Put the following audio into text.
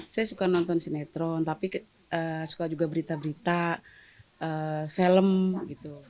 saya suka nonton sinetron tapi suka juga berita berita film gitu